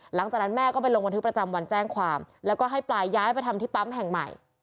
หลังจากนั้นแม่ก็ไปลงบันทึกประจำวันแจ้งความแล้วก็ให้ปลายย้ายไปทำที่ปั๊มแห่งใหม่